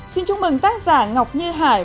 xin chúc mừng tác giả ngọc như hải